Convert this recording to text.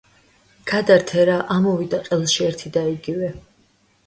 გადართე რა, ამოვიდა ყელში ერთი და იგივე!